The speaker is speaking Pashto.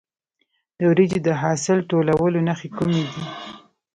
د وریجو د حاصل ټولولو نښې کومې دي؟